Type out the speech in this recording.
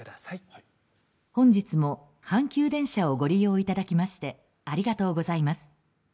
本日も阪急電車をご利用いただきましてありがとうございます。